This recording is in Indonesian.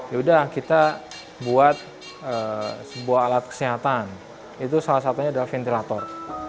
yaudah kita buat sebuah alat kesehatan itu salah satunya adalah ventilator